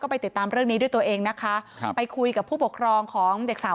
ไปติดตามเรื่องนี้ด้วยตัวเองนะคะครับไปคุยกับผู้ปกครองของเด็กสาว